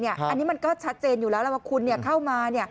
อันนี้มันก็ชัดเจนอยู่แล้วแล้วว่าคุณเข้ามา